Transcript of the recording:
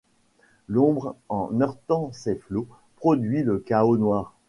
L’ombre en heurtant ses flots produit le chaos noir